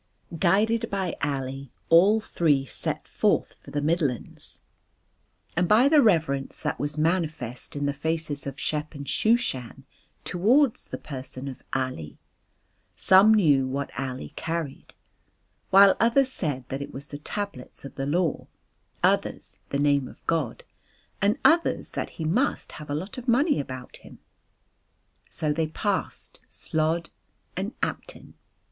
Guided by Ali all three set forth for the Midlands. And by the reverence that was manifest in the faces of Shep and Shooshan towards the person of Ali, some knew what Ali carried, while others said that it was the tablets of the Law, others the name of God, and others that he must have a lot of money about him. So they passed Slod and Apton.